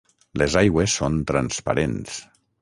Les aigües són transparents.